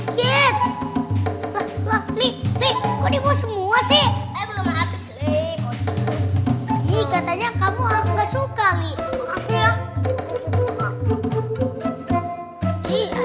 jatuhnya rampah buat kita